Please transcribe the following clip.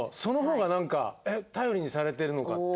その方がなんか「頼りにされてるのか」